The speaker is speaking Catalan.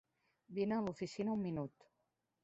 Vine a l'oficina un minut.